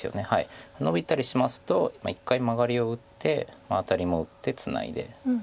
ノビたりしますと一回マガリを打ってアタリも打ってツナいで。